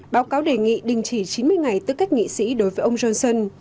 báo cáo đề nghị đình chỉ chín mươi ngày tư cách nghị sĩ đối với ông johnson